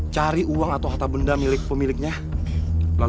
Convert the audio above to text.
cari uang atau harta benda milik pemiliknya